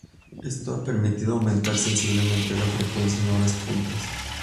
Esto ha permitido aumentar sensiblemente la frecuencia en horas puntas.